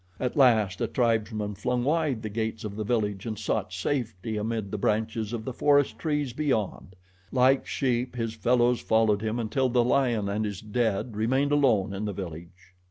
At last a tribesman flung wide the gates of the village and sought safety amid the branches of the forest trees beyond. Like sheep his fellows followed him, until the lion and his dead remained alone in the village.